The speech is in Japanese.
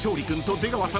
出川さん。